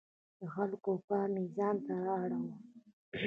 د خلکو پام یې ځانته اړاوه.